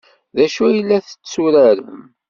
D acu ay la tetturarem?